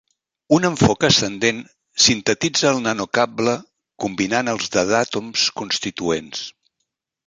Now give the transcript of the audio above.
Un enfoc ascendent sintetitza el nanocable combinant els d'adàtoms constituents.